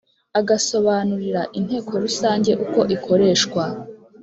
agasobanurira inteko rusange uko ikoreshwa